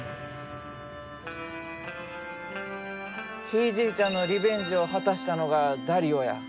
ひいじいちゃんのリベンジを果たしたのがダリオや。